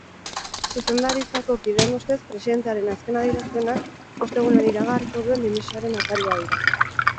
Zuzendaritzkao kideen ustez, presidentearen azken adierazpenak ostegunean iragarriko duen dimisioaren ataria dira.